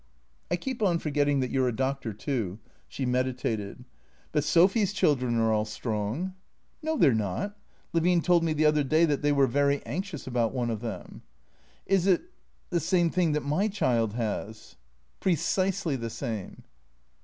" I keep on forgetting that you 're a doctor too." She medi tated. " But Sophy's cliildren are all strong." " No, they 're not. Levine told me the other day that they were very anxious about one of them." " Is it — the same thing that my child has ?"" Precisely the same."